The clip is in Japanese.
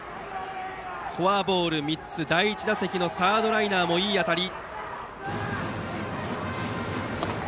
フォアボール３つ第１打席のサードライナーもいい当たり。